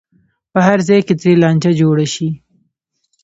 په هر ځای کې ترې لانجه جوړه شي.